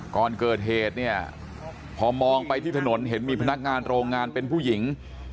ก่อนเกิดเหตุเนี่ยพอมองไปที่ถนนเห็นมีพนักงานโรงงานเป็นผู้หญิง